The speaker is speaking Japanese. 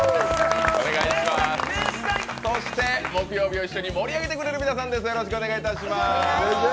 そして木曜日を一緒に盛り上げてくれる皆さんです。